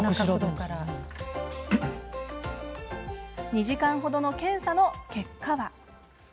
２時間ほどの検査の結果は？